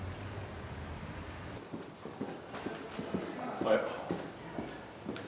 おはよう。